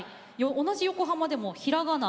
同じ横浜でも、ひらがな